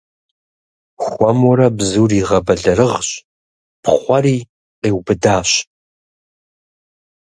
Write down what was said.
Хуэмурэ бзур игъэбэлэрыгъщ, пхъуэри, къиубыдащ.